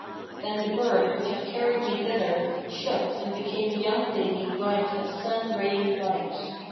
Then the bird which had carried me thither shook and became a young lady bright as sun raying light.